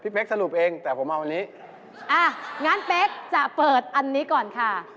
เป๊กสรุปเองแต่ผมมาวันนี้อ่ะงั้นเป๊กจะเปิดอันนี้ก่อนค่ะ